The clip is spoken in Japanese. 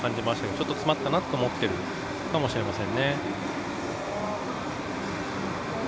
ちょっと詰まったなと思っているのかもしれません。